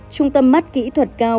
trung tâm mắt kỹ thuật cao